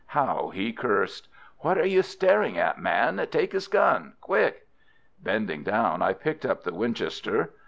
How he cursed! "What are you staring at, man? Take his gun quick!" Bending down, I picked up the Winchester.